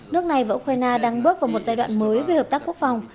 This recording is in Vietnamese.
nước này và ukraine đang bước vào một giai đoạn mới về hợp tác quốc phòng